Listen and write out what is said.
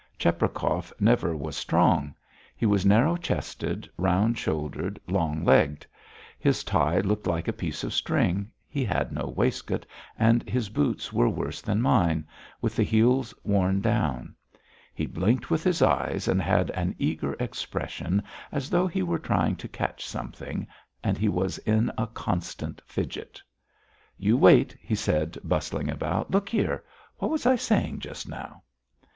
Cheprakov never was strong. He was narrow chested, round shouldered, long legged. His tie looked like a piece of string, he had no waistcoat, and his boots were worse than mine with the heels worn down. He blinked with his eyes and had an eager expression as though he were trying to catch something and he was in a constant fidget. "You wait," he said, bustling about. "Look here!... What was I saying just now?"